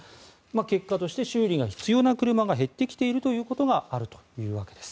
結果として修理が必要な車が減ってきているということがあるというわけです。